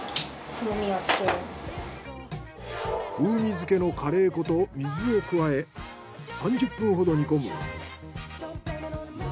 風味づけのカレー粉と水を加え３０分ほど煮込む。